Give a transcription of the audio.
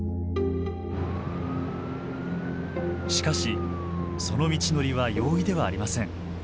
しかしその道のりは容易ではありません。